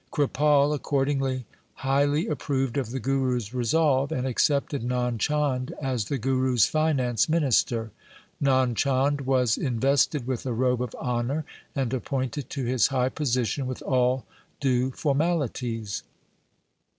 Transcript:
Kripal accordingly highly approved of the Guru's resolve, and accepted Nand Chand as the Guru's finance minister. Nand Chand was invested with a robe of honour, and appointed to his high position with all due formalities.